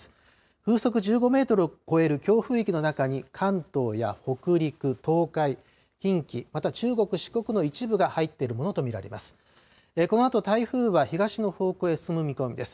風速１５メートルを超える強風域の中に関東や北陸、東海、近畿、または中国、四国の一部が入っているものと見られます。